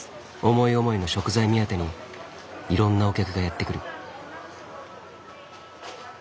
思い思いの食材目当てにいろんなお客がやって来る。